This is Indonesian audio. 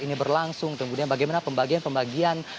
ini berlangsung kemudian bagaimana pembagian pembagian